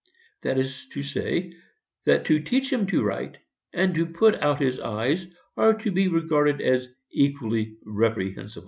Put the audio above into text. That is to say, that to teach him to write, and to put out his eyes, are to be regarded as equally reprehensible.